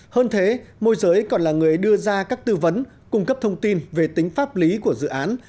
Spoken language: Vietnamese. hơn thế môi giới còn là người đưa ra các tư vấn cung cấp thông tin về tính pháp lý của dự án